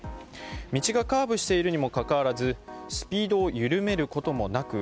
道がカーブしているにもかかわらずスピードを緩めることもなく